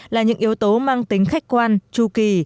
là những yếu tố mang tính khách quan tru kỳ